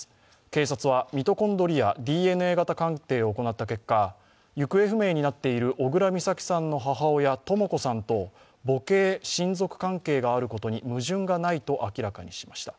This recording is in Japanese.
警察はミトコンドリアＤＮＡ型鑑定を行った結果、行方不明になっている小倉美咲さんの母親とも子さんと母系親族関係に矛盾がないと明らかにしました。